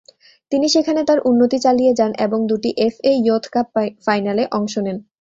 তিনি সেখানে তার উন্নতি চালিয়ে যান এবং দুটি এফএ ইয়ুথ কাপ ফাইনালে অংশ নেন।